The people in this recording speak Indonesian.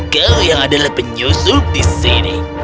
kau yang adalah penyusup di sini